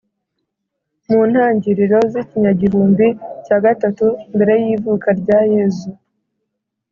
mu ntangiriro z ikinyagihumbi cya gatatu mbere y ivuka rya Yezu